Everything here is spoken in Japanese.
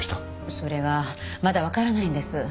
それがまだわからないんです。